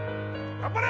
頑張れ！